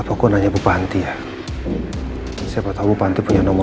pak mak aku sekolah dulu ya